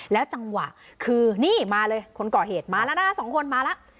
แล้วจังหวะคือนี่มาเลยคนก่อเหตุมาแล้วนะคะสองคนมาแล้ว